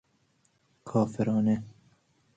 کافرانه